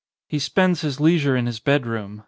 He spends his leisure in his bed room.